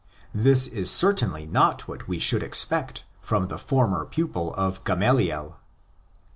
This is certainly not what we should expect from the former pupil of Gamaliel.